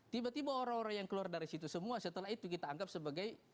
tiba tiba orang orang yang keluar dari situ semua setelah itu kita anggap sebagai